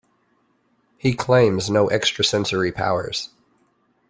He claims no extrasensory powers.